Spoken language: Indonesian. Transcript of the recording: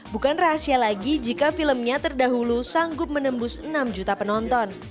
bukan rahasia lagi jika filmnya terdahulu sanggup menembus enam juta penonton